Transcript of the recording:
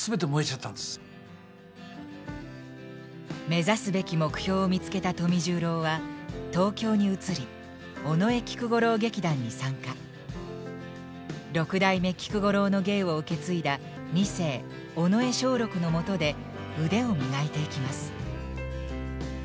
目指すべき目標を見つけた富十郎は六代目菊五郎の芸を受け継いだ二世尾上松緑のもとで腕を磨いていきます。